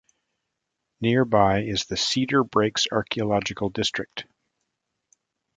Nearby is the Cedar Breaks Archeological District.